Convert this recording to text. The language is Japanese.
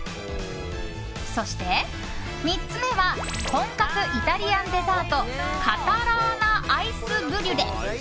そして、３つ目は本格イタリアンデザートカタラーナアイスブリュレ！